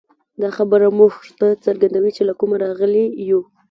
دا خبره موږ ته څرګندوي، چې له کومه راغلي یو.